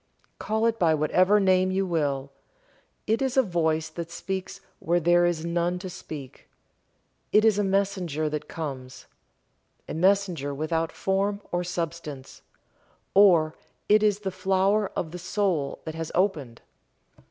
Call it by whatever name you will. It is a voice that speaks where there is none to speak, it is a messenger that comes a messenger without form or substance or it is the flower of the soul that has opened.